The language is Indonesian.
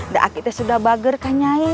dan aku sudah berusaha